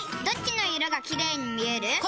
どっちの色がキレイに見える？